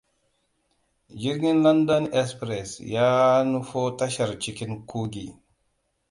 Jirgin London express ya nufo tashar cikin ƙugi.